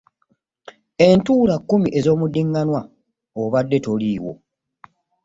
Entuula kkumi ez'omuddiriŋŋanwa obadde toliiwo.